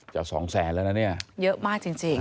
จะ๒๐๐๐๐๐แล้วนะเนี่ยเยอะมากจริง